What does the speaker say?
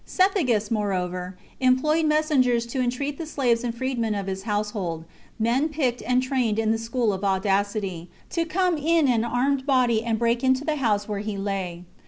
Cethegus, more over, employed messengers to entreat the slaves and_ freedmen of his household, men picked and trained [in the school of audacity}, to come in an armed body and break into the house where he Jay.